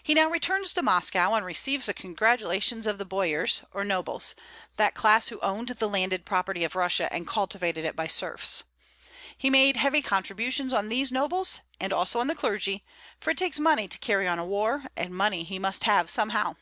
He now returns to Moscow, and receives the congratulations of the boyars, or nobles, that class who owned the landed property of Russia and cultivated it by serfs. He made heavy contributions on these nobles, and also on the clergy, for it takes money to carry on a war, and money he must have somehow.